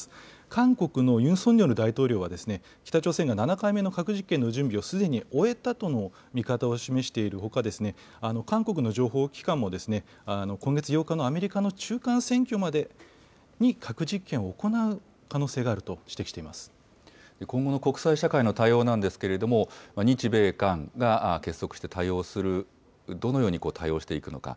韓国のユン・ソンニョル大統領は、北朝鮮が７回目の核実験の準備をすでに終えたとの見方を示しているほか、韓国の情報機関も、今月８日のアメリカの中間選挙までに核実験を行う可能性があると今後の国際社会の対応なんですけれども、日米韓が結束して対応する、どのように対応していくのか。